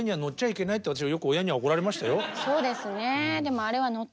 そうですね。